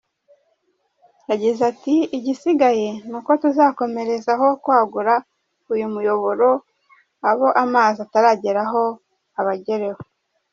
Yagize ati” Igisigaye ni uko tuzakomerezaho kwagura uyu muyoboro, abo amazi atarageraho abagereho.